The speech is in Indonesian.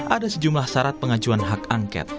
ada sejumlah syarat pengajuan hak angket